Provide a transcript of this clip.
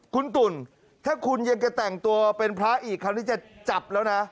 คุณตุ่นถ้าคุณยังจะแต่งตัวเป็นพระอีกคราวนี้จะจับแล้วนะ